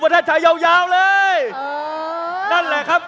คุณจิลายุเขาบอกว่ามันควรทำงานร่วมกัน